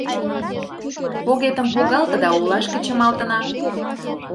Погетым погалте да олашке чымалтына.